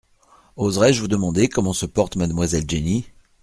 Oserai-je vous demander comment se porte mademoiselle Jenny ?